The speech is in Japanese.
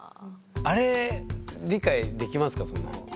あれ理解できますか？